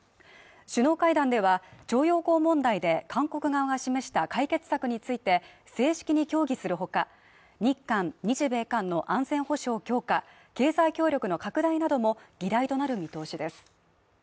首脳会談では徴用工問題で韓国側が示した解決策について、正式に協議するほか日韓、日米韓の安全保障強化、経済協力の拡大なども議題となる見通しです。